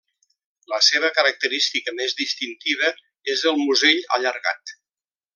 La seva característica més distintiva és el musell allargat.